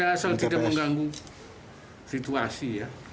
ya soal tidak mengganggu situasi